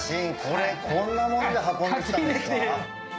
これこんなもんで運んできたんですか？